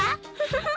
フフフッ。